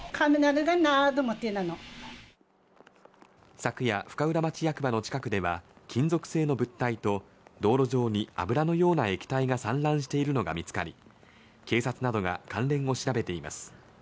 昨夜深浦町役場の近くでは金属製の物体と道路上に油のような液体が散乱しているのが見つかり警察などが関連を調べています